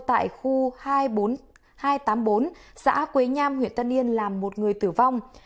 tại khu hai mươi bốn nghìn hai trăm tám mươi bốn xã quế nham huyện tân yên làm một người tử vong